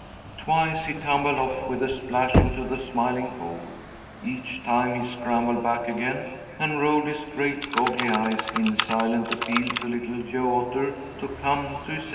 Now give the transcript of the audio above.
Twice he tumbled off with a splash into the Smiling Pool. Each time he scrambled back again and rolled his great goggly eyes in silent appeal to Little Joe Otter to come to his aid.